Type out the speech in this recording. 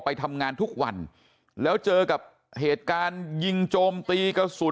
พวกมันกลับมาเมื่อเวลาที่สุดพวกมันกลับมาเมื่อเวลาที่สุด